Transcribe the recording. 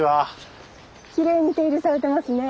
きれいに手入れされてますね。